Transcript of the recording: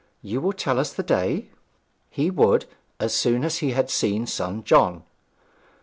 You will tell us the day?' He would, as soon as he had seen son John.